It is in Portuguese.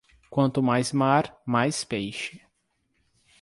Quanto mais mar, mais peixe.